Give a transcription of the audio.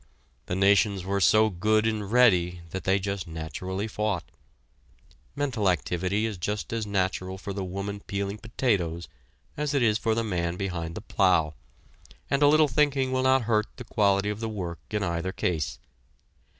The nations were "so good and ready," they just naturally fought. Mental activity is just as natural for the woman peeling potatoes as it is for the man behind the plow, and a little thinking will not hurt the quality of the work in either case.